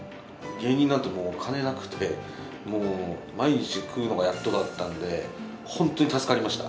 芸人になってもう、お金なくて、もう毎日食うのがやっとだったんで、本当に助かりました。